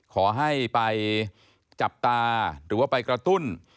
ขอให้ไปจับตาหรือว่าไปกระตุ้น